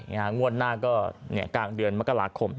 งวดหน้าก็กลางเดือนมกราคม